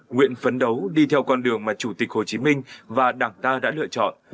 nguyện phấn đấu đi theo con đường mà chủ tịch hồ chí minh và đảng ta đã lựa chọn